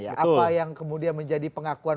apa yang kemudian menjadi pengakuan